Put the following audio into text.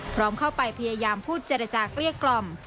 พร้อมเข้าไปพยายามพูดจริงจากเรียกกล่อม